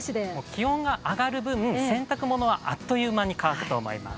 気温が上がる分、洗濯物はあっという間に乾くと思います。